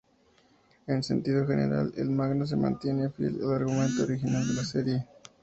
En sentido general, el manga se mantiene fiel al argumento original de la serie.